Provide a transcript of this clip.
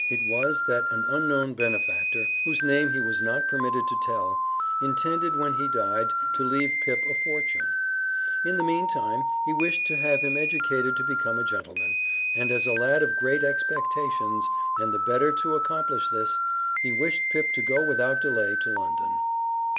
It was that an unknown benefactor, whose name he was not permitted to tell, intended when he died to leave Pip a fortune. In the meantime he wished to have him educated to become a gentleman, and as a lad of Great Expectations, and, the better to accomplish this, he wished Pip to go without delay to London.